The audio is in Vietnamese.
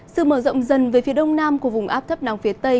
sự mở rộng dần về phía đông nam của vùng áp thấp nóng phía tây